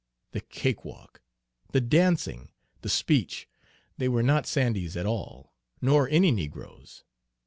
The cakewalk, the dancing, the speech, they were not Sandy's at all, nor any negro's!